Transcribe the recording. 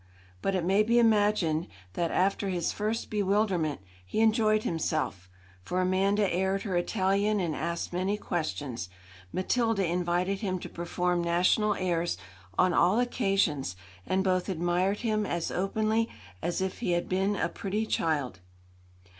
But it may be imagined that, after his first bewilderment, he enjoyed himself; for Amanda aired her Italian and asked many questions. Matilda invited him to perform national airs on all occasions, and both admired him as openly as if he had been a pretty child.